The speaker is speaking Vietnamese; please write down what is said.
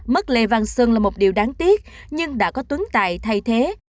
mất lệ văn sân là một điều đáng tiếc nhưng đã có tuấn tài thay thế